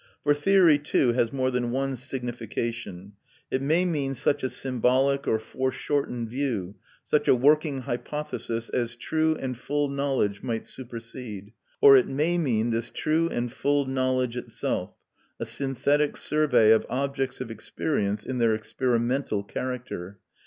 For theory too has more than one signification. It may mean such a symbolic or foreshortened view, such a working hypothesis, as true and full knowledge might supersede; or it may mean this true and full knowledge itself, a synthetic survey of objects of experience in their experimental character.